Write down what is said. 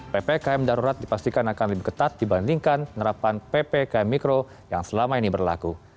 ppkm darurat dipastikan akan lebih ketat dibandingkan penerapan ppkm mikro yang selama ini berlaku